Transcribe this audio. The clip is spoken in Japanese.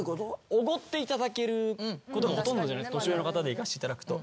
おごっていただけることがほとんどじゃないですか年上の方で行かしていただくと。